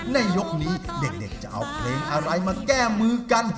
ในยกนี้เด็กจะเอาเพลงอะไรมาแก้มือกัน